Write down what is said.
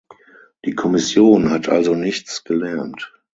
Die Kommission hat also nichts gelernt.